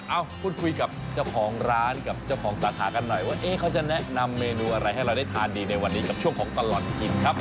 พูดคุยกับเจ้าของร้านกับเจ้าของสาขากันหน่อยว่าเขาจะแนะนำเมนูอะไรให้เราได้ทานดีในวันนี้กับช่วงของตลอดกินครับ